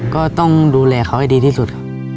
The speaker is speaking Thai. ก็ต้องดูแลเขาให้ดีที่สุดครับ